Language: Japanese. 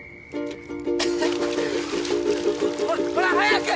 おいおいほら早く！